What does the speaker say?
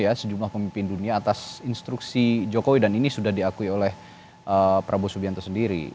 tentu saja untuk saya tadi menyatu juga dengan pertanyaan yang dibutuhkan oleh prof instruksi jokowi dan ini sudah diakui oleh prabowo subianto sendiri